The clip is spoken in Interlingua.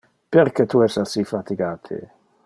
Perque tu es assi fatigate?